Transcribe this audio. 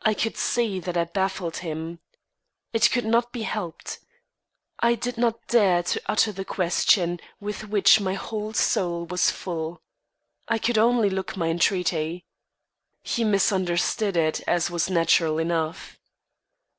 I could see that I baffled him. It could not be helped. I did not dare to utter the question with which my whole soul was full. I could only look my entreaty. He misunderstood it, as was natural enough.